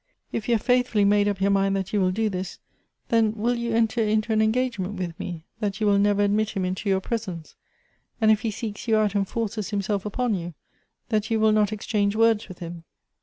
If you have faithfully made up your mind that you will do this, then will you enter into an engagement with me, that you will never admit him into your presence ; and if he seeks you out and forces him self upon you, that you will not exchange words with liim